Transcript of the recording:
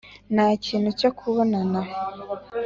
nta kintu cyo kubona.